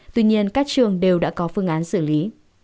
tuy nhiên các trường đều đã có phương án xử lý